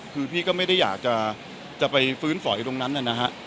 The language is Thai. คือพี่ก็ไม่ได้อยากจะไปฟื้นฝอยตรงนั้นนะฮะ